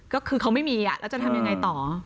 ก็คือเขาไม่มีแล้วจะทำยังไงต่อ